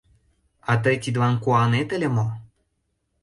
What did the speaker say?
А тый тидлан куанет ыле мо?